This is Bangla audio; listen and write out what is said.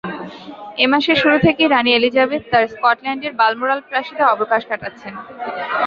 এ মাসের শুরু থেকেই রানি এলিজাবেথ তাঁর স্কটল্যান্ডের বালমোরাল প্রাসাদে অবকাশ কাটাচ্ছেন।